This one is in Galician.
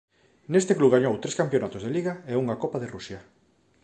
Neste club gañou tres Campionatos de liga e unha Copa de Rusia.